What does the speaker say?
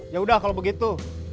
ya udah kalo begitu